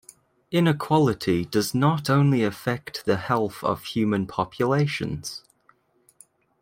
Inequality does not only affect the health of human populations.